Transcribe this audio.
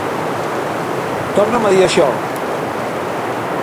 Torna'm a dir això.